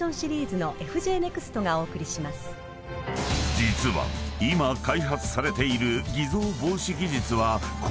［実は今開発されている］